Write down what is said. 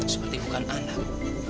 seperti bukan anak